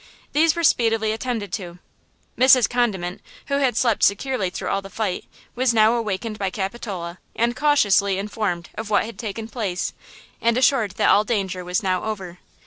These were speedily attended to. Mrs. Condiment, who had slept securely through all the fight, was now awakened by Capitola, and cautiously informed of what had taken place and assured theat all danger was now over.